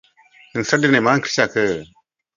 नोंस्रा दिनै मा ओंख्रि जाखो?